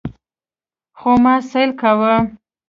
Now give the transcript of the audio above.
خو ما سيل کاوه.